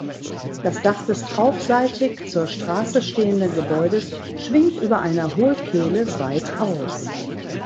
Das Dach des traufseitig zur Straße stehenden Gebäudes schwingt über einer Hohlkehle weit aus.